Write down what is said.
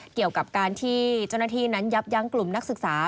เกี่ยวกับการที่เจ้าหน้าที่นั้นยับยั้งกลุ่มนักศึกษา